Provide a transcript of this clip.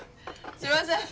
すいません！